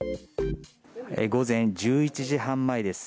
午前１１時半前です。